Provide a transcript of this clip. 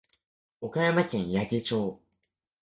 岡山県矢掛町